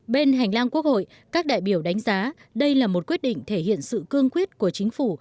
bên hành lang quốc hội các đại biểu đánh giá đây là một quyết định thể hiện sự cương quyết của chính phủ